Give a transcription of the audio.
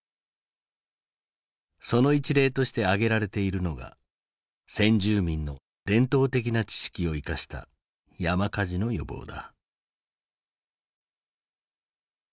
その一例として挙げられているのが先住民の伝統的な知識を生かした山火事の予防だ。